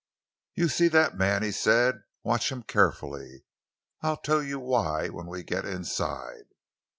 "You see that man?" he said. "Watch him carefully. I'll tell you why when we get inside."